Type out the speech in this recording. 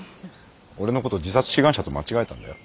俺のこと自殺志願者と間違えたんだよ。